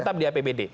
tetap di apbd